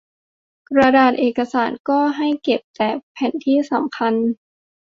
กระดาษเอกสารก็ให้เก็บแต่แผ่นที่สำคัญ